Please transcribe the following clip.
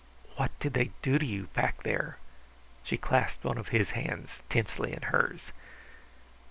"What did they do to you back there?" She clasped one of his hands tensely in hers.